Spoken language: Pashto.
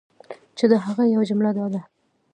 چی د هغی یوه جمله دا ده